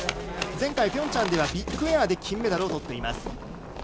前回ピョンチャンではビッグエアで金メダルをとっています。